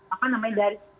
apa namanya dari